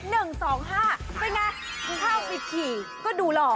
เป็นอย่างไรข้าวปิดฉี่ก็ดูหล่อ